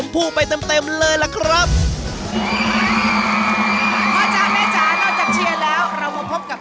ไปลองฟังกันเลยครับ